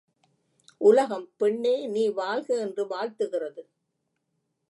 உலகம் பெண்ணே நீ வாழ்க என்று வாழ்த்துகிறது.